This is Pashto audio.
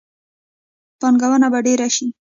پانګونه به ډیره شي.